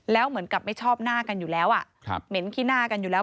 แล้วเหมือนกับไม่ชอบหน้ากันอยู่แล้วเหม็นขี้หน้ากันอยู่แล้ว